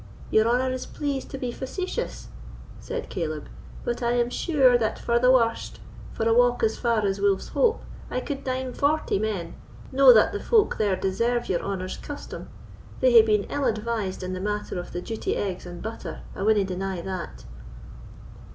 "Your honour is pleased to be facetious," said Caleb, "but I am sure that, for the warst, for a walk as far as Wolf's Hope, I could dine forty men—no that the folk there deserve your honour's custom. They hae been ill advised in the matter of the duty eggs and butter, I winna deny that."